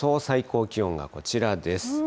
最高気温がこちらです。